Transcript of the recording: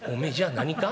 何か？